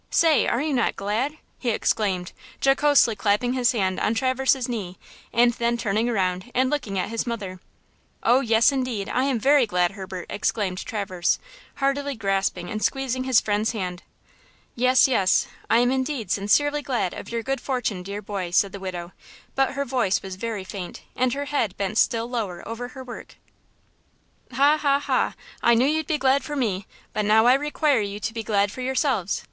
–say, are you not glad?" he exclaimed, jocosely clapping his hand upon Traverse's knee, and then turning around and looking at his mother. "Oh, yes, indeed, I am very glad, Herbert," exclaimed Traverse, heartily grasping and squeezing his friend's hand. "Yes, yes; I am indeed sincerely glad of your good fortune, dear boy," said the widow; but her voice was very faint and her head bent still lower over her work. "Ha! Ha! Ha! I knew you'd be glad for me; but now I require you to be glad for yourselves.